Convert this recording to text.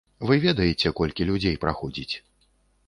Вы ведаеце, колькі людзей праходзіць.